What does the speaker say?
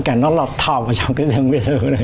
cả nó lọt thọ vào trong cái rừng biệt thự